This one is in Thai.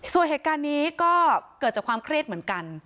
ส่วนเหตุการณ์นี้ก็เกิดจากความเครียดเหมือนกัน